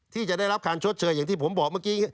ที่จะได้รับการชดเชยอย่างที่ผมบอกเมื่อกี้